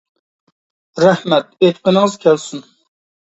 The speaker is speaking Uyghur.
رەھمەت، ئېيتقىنىڭىز كەلسۇن.